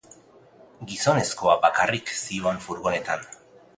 Gizonezkoa bakarrik zihoan furgonetan.